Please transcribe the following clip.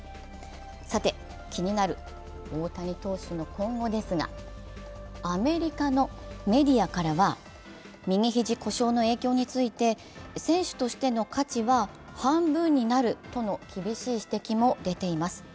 さて、気になる大谷投手の今後ですが、アメリカのメディアからは右肘故障の影響について、選手としての価値は半分になるとの厳しい指摘も出ています。